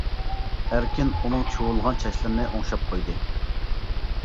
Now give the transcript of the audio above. ئەركىن ئۇنىڭ چۇۋۇلغان چاچلىرىنى ئوڭشاپ قويدى.